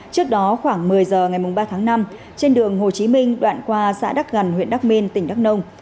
trước đó khoảng một mươi h ngày ba tháng năm trên đường hồ chí minh đoạn qua xã đắk gần huyện đắk minh tỉnh đắk nông